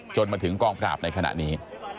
จนถึงกองปราบในขณะนี้